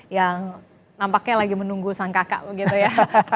yang nampaknya lagi menunggu sang kakak begitu ya